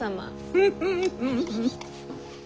フフフフ。